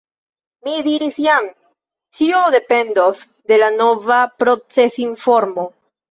Mi diris jam: ĉio dependos de la nova procesinformo.